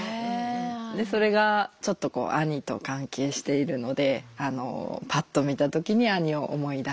でそれがちょっとこう兄と関係しているのでパッと見た時に兄を思い出したっていうのがあります。